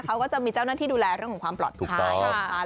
เขาก็จะมีเจ้าหน้าที่ดูแลเรื่องของความปลอดภัยนะคะ